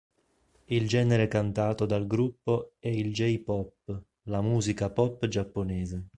Il genere cantato dal gruppo è il "J-pop", la musica pop giapponese.